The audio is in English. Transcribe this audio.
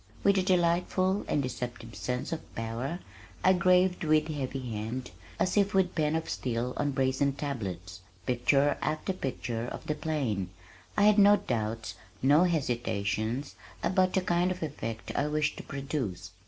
With a delightful (and deceptive) sense of power, I graved with heavy hand, as if with pen of steel on brazen tablets, picture after picture of the plain. I had no doubts, no hesitations about the kind of effect I wished to produce.